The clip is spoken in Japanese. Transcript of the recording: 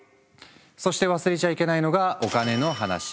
そして忘れちゃいけないのがお金の話。